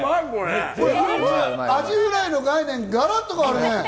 アジフライの概念、ガラッと変わるね。